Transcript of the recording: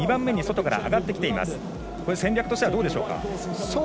戦略としてはどうでしょう。